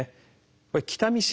これ北見市